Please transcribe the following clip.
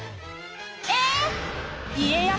え！